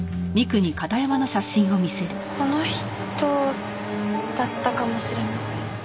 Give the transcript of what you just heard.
この人だったかもしれません。